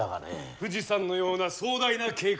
富士山のような壮大な計画。